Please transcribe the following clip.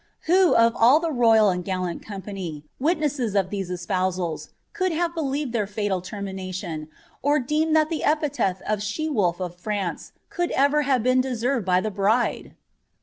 ^Vho of all the royal and gallant company, wimesses of tliese espowib. could have believed their fatal termination, or deemed that the epitlMlW She Woif of France could ever have been deserved by l)ie bride?